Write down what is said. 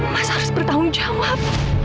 mas harus bertanggung jawab